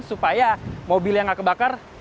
supaya mobilnya tidak terbakar